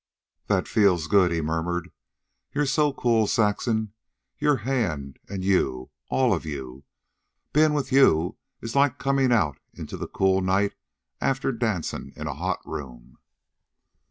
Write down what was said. "That feels good," he murmured. "You're so cool, Saxon. Your hand, and you, all of you. Bein' with you is like comin' out into the cool night after dancin' in a hot room."